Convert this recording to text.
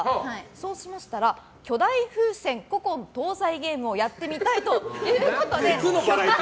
そうしましたら巨大風船古今東西ゲームをやってみたいということで。